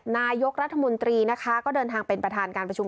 นายกรัฐมนตรีนะคะก็เดินทางเป็นประธานการประชุม